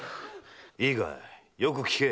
いいかよく聞け。